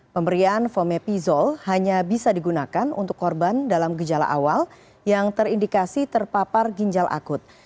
pemberian fomepizol hanya bisa digunakan untuk korban dalam gejala awal yang terindikasi terpapar ginjal akut